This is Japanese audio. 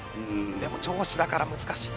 でも上司だから難しい。